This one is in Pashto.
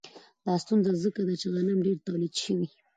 دا ستونزه ځکه ده چې غنم ډېر تولید شوي